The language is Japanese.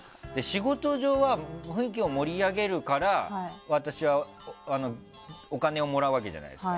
仕事上は雰囲気を盛り上げるから私はお金をもらうわけじゃないですか。